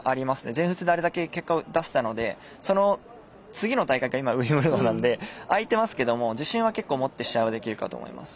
全仏であれだけ結果を出せたのでその次の大会がウィンブルドンなんで空いてますけども自信は結構、持って試合はできるかと思います。